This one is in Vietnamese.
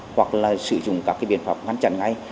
hoặc là sử dụng các biện pháp ngăn chặn ngay